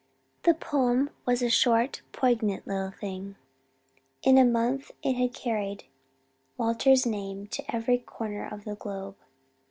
The poem was a short, poignant little thing. In a month it had carried Walter's name to every corner of the globe.